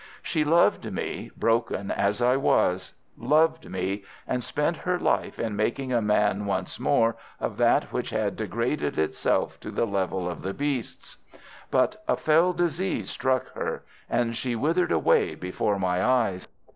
She loved me, broken as I was, loved me, and spent her life in making a man once more of that which had degraded itself to the level of the beasts. "But a fell disease struck her, and she withered away before my eyes.